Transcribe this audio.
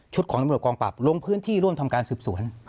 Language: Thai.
ของตำรวจกองปราบลงพื้นที่ร่วมทำการสืบสวน